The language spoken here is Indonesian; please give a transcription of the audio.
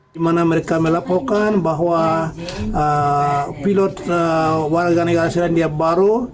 di mana mereka melaporkan bahwa pilot warga negara selandia baru